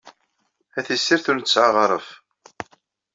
A tissirt ur nesɛi aɣaṛef!